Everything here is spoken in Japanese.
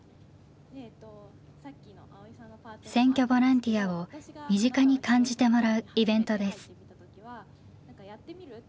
選挙ボランティアを身近に感じてもらうイベントです。